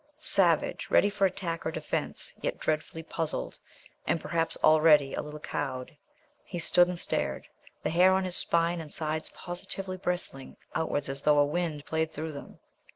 Savage, ready for attack or defence, yet dreadfully puzzled and perhaps already a little cowed, he stood and stared, the hair on his spine and sides positively bristling outwards as though a wind played through them.